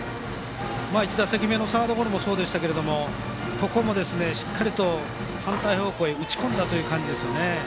１打席目のサードゴロもそうでしたがここもしっかり反対方向へ打ち込んだ感じです。